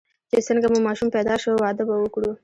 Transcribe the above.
چې څنګه مو ماشوم پیدا شو، واده به وکړو.